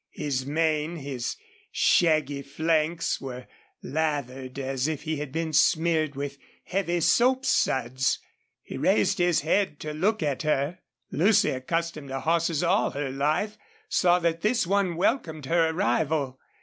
His mane, his shaggy flanks, were lathered as if he had been smeared with heavy soap suds. He raised his head to look at her. Lucy, accustomed to horses all her life, saw that this one welcomed her arrival.